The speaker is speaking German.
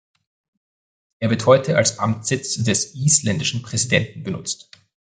Er wird heute als Amtssitz des isländischen Präsidenten genutzt.